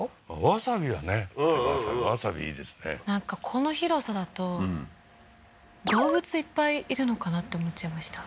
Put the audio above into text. ワサビいいですねなんかこの広さだとうん動物いっぱいいるのかなって思っちゃいました